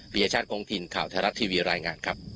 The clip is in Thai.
พิชชาติกรงถิ่นข่าวทะลักษณ์ทีวีรายงานครับ